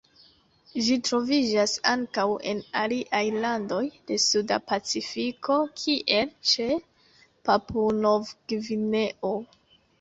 Ĝi troviĝas ankaŭ en aliaj landoj de Suda Pacifiko, kiel ĉe Papuo-Nov-Gvineo.